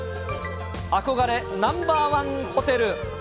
憧れナンバー１ホテル。